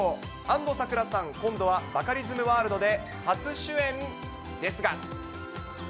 安藤サクラさん、今度はバカリズムワールドで初主演ですが。